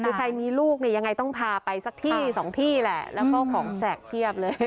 คือใครมีลูกเนี่ยยังไงต้องพาไปสักที่สองที่แหละแล้วก็ของแจกเพียบเลย